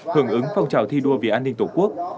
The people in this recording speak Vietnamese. hưởng ứng phong trào thi đua vì an ninh tổ quốc